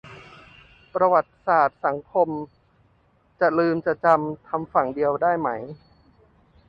ประวัติศาสตร์สังคม จะลืมจะจำ ทำฝั่งเดียวได้ไหม